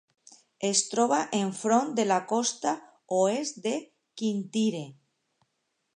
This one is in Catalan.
Es troba enfront de la costa oest de Kintyre.